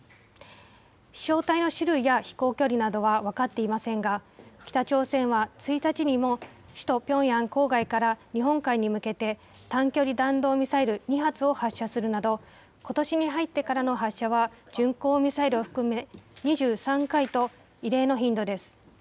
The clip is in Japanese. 飛しょう体の種類や飛行距離などは分かっていませんが、北朝鮮は１日にも首都ピョンヤン郊外から日本海に向けて、短距離弾道ミサイル２発を発射するなど、ことしに入ってからの発射は巡航ミサイルを含め２３回と、異例の頻度です。